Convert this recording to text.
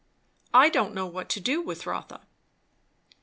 I don't know what to do with Rotha."